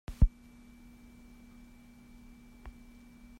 銷售給廣告商